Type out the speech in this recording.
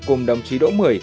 cùng đồng chí đỗ mười